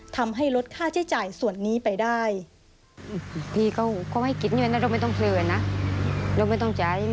ทำให้ลดค่าใช้จ่ายส่วนนี้ไปได้